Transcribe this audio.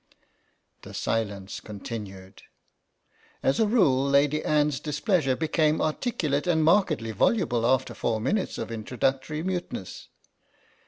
The silence continued. As a rule Lady Anne's displeasure became articulate and markedly voluble after four minutes of intro ductory muteness.